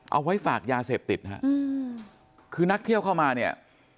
เอาไว้ฝากยาเสพติดนะฮะคือนักเที่ยวเข้ามาเนี่ย